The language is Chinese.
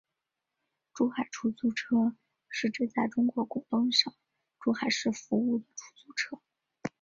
珠海出租车是指在中国广东省珠海市服务的出租车。